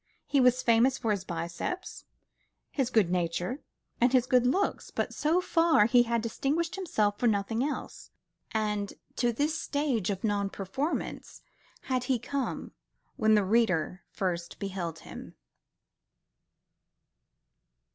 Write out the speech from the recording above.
He was famous for his biceps, his good nature, and his good looks; but so far he had distinguished himself for nothing else, and to this stage of nonperformance had he come when the reader first beheld him.